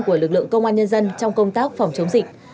của lực lượng công an nhân dân trong công tác phòng chống dịch